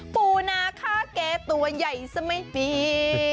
ปูนาค่าแกตัวใหญ่ซะไม่มี